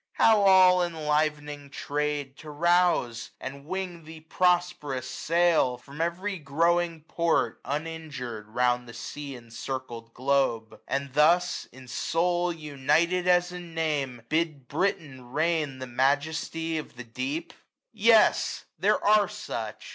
How alUenlivening trade to rouse, and wing X 2 ts6 AUTUMN. The prosperous sail, from every growing port, UninjurM, round the sea^encircled globe j And thus, in soul united as in name, 925 Bid Britain reign the mistress of the deep? Yes, there are such.